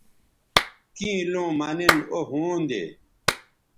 کیں لوں مہ نن او ھوندے